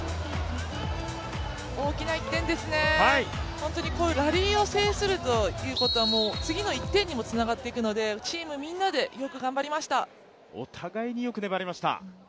大きな１点ですね、こういうラリーを制するということはもう次の１点にもつながっていくので、チームみんなで、よく頑張りましたお互いによく粘りました。